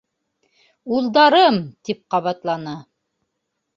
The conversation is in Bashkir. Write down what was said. - Улдарым! - тип ҡабатланы.